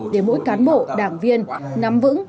để mỗi cán bộ đảng viên nắm vững